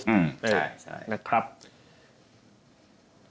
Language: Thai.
ใช่